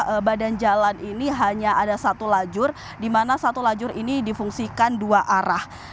karena badan jalan ini hanya ada satu lajur di mana satu lajur ini difungsikan dua arah